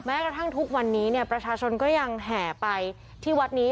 กระทั่งทุกวันนี้เนี่ยประชาชนก็ยังแห่ไปที่วัดนี้